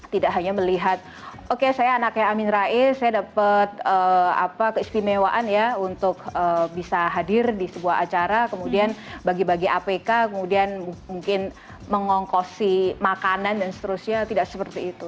tidak hanya melihat oke saya anaknya amin rais saya dapat keistimewaan ya untuk bisa hadir di sebuah acara kemudian bagi bagi apk kemudian mungkin mengongkosi makanan dan seterusnya tidak seperti itu